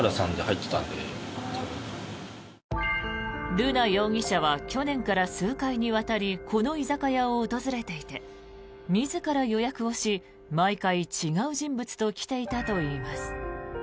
瑠奈容疑者は去年から数回にわたりこの居酒屋を訪れていて自ら予約をし毎回、違う人物と来ていたといいます。